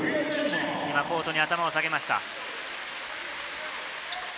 今、コートに頭を下げました。